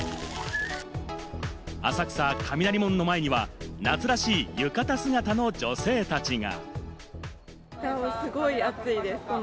浅草雷門の前には夏らしい浴衣姿の女性たちが。